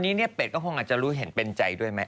ตอนนี้เป็ดก็คงอาจจะรู้ที่เห็นเป็นใจด้วยไหม